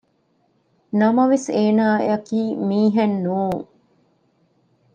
ނަމަވެސް އޭނާއަކީ މީހެއް ނޫން